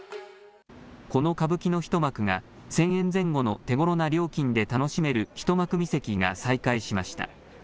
この歌舞伎の一幕が、１０００円前後の手ごろな料金で楽しめる、一幕見席が再開しました。